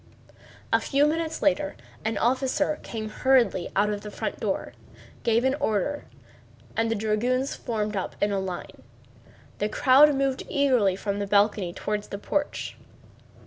A few minutes later an officer came hurriedly out of the front door, gave an order, and the dragoons formed up in line. The crowd moved eagerly from the balcony toward the porch.